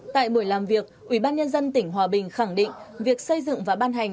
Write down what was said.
tại buổi làm việc ủy ban nhân dân tỉnh hòa bình khẳng định việc xây dựng và ban hành